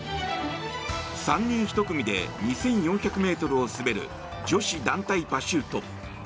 ３人１組で２４００ｍを滑る女子団体パシュート。